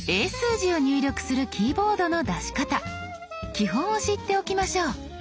基本を知っておきましょう。